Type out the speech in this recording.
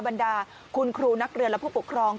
บรรดาคุณครูนักเรียนและผู้ปกครอง